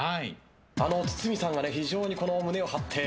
堤さんが非常に胸を張って。